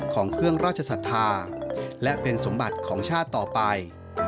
ของเครื่องราชศรัทธาและเป็นสมบัติของชาติต่อไป